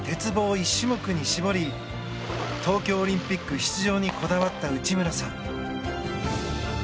１種目に絞り東京オリンピック出場にこだわった内村さん。